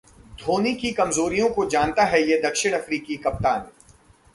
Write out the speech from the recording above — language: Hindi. धोनी की कमजोरियों को जानता है ये दक्षिण अफ्रीकी कप्तान